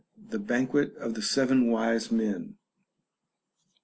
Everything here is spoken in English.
THE BANQUET OF THE SEVEN WISE MEN.